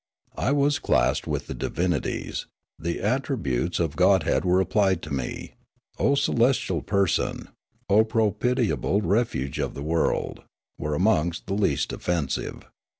I was classed with the divinities ; the attributes of godhead were applied to me. " O celestial person," " O propitiable refuge of the world," were amongst the least offensive.